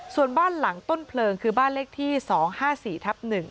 ส่วนบ้านหลังต้นเพลิงคือบ้านเลขที่๒๕๔ทับ๑